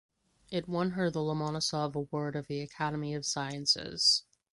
It won her the Lomonosov Award of the Academy of Sciences.